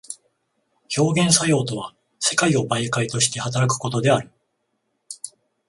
表現作用とは世界を媒介として働くことである。